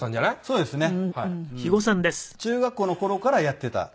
そうですね。